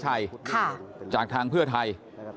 จากทางเพื่อไทย